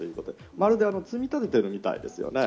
まるで積み立てているみたいですよね。